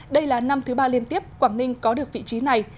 đây là năm thứ ba liên tiếp quảng ninh có được vị trí này